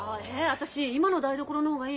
私今の台所の方がいい。